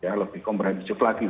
ya lebih komprehensif lagi